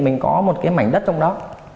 mình có một cái mảnh đất trong đó